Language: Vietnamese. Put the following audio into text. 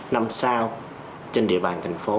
năm sau trên địa bàn thành phố